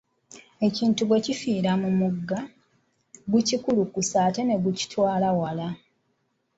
Ekintu bwe kifiira mu mugga, gukikulukusa ate ne kigutwala wala.